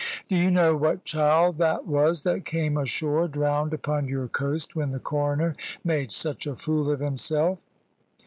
"Do you know what child that was that came ashore drowned upon your coast, when the coroner made such a fool of himself?"